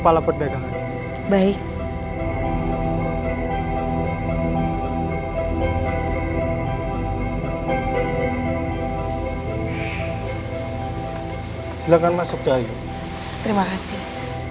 permisi saya anandia dan saya anandia